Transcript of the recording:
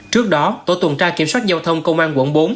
trước đó tổ tuần tra kiểm soát giao thông công an quận bốn